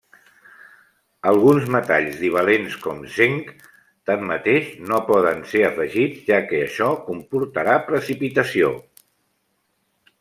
Alguns metalls divalents com zinc, tanmateix, no poden ser afegits, ja que això comportarà precipitació.